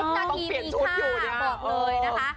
ต้องเปลี่ยนชุดอยู่เนี่ย